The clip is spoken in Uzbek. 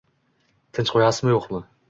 Tinch qo'yasizmi yo'qmi?